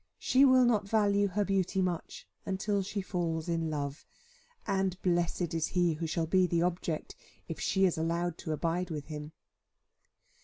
She will not value her beauty much, until she falls in love; and blessed is he who shall be the object, if she is allowed to abide with him.